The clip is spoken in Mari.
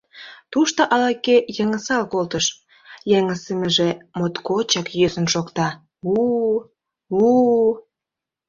Тушто ала-кӧ йыҥысал колтыш, йыҥысымыже моткочак йӧсын шокта: у-у... у-у...